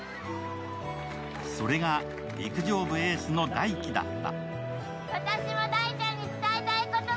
それが陸上部エースの大輝だった。